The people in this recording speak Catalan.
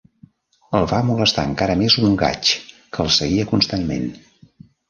El va molestar encara més un gaig, que el seguia constantment.